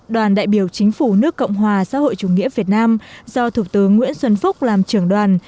đoàn đại biểu chính phủ nước cộng hòa xã hội chủ nghĩa việt nam do thủ tướng nguyễn xuân phúc làm trưởng đoàn